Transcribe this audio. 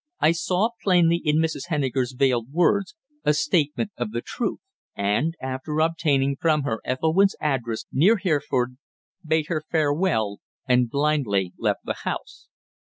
I saw plainly in Mrs. Henniker's veiled words a statement of the truth; and, after obtaining from her Ethelwynn's address near Hereford, bade her farewell and blindly left the house.